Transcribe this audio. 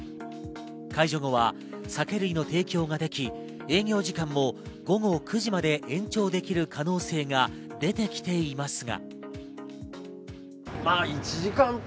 解除後は酒類の提供ができ、営業時間も午後９時まで延長できる可能性が出てきていますが。